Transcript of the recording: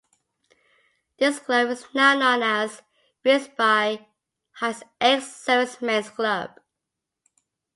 This club is now known as Revesby Heights Ex-Servicemen's Club.